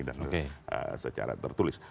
dan secara tertulis